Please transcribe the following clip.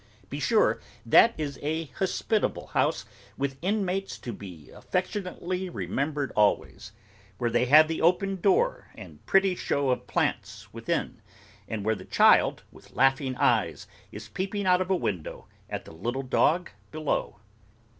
Be sure that is a hospitable house with inmates to be affectionately remembered always, where they have the open door and pretty show of plants within, and where the child with laughing eyes is peeping out of window at the little dog below.